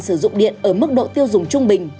sử dụng điện ở mức độ tiêu dùng trung bình